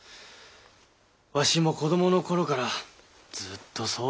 わしも子どものころからずっとそうであった。